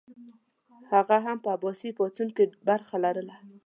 هغه هم په عباسي پاڅون کې برخه لرله.